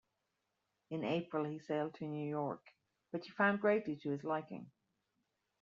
In April he sailed to New York, which he found greatly to his liking.